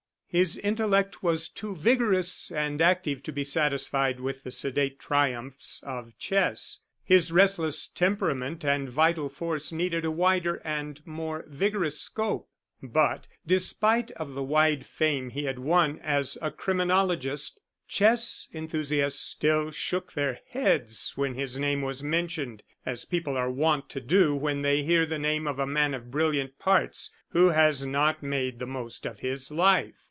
His intellect was too vigorous and active to be satisfied with the sedate triumphs of chess; his restless temperament and vital force needed a wider and more vigorous scope. But, despite the wide fame he had won as a criminologist, chess enthusiasts still shook their heads when his name was mentioned, as people are wont to do when they hear the name of a man of brilliant parts who has not made the most of his life.